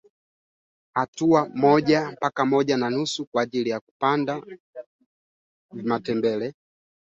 mawaziri na wataalamu wa kiufundi watafanya kazi kwa kasi